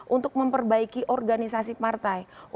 untuk memperbaiki organisasi partai